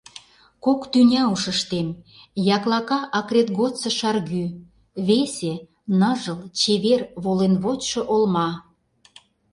Кок тӱня ушыштем: яклака акрет годсо шаргӱ, Весе — ныжыл, чевер, волен вочшо олма…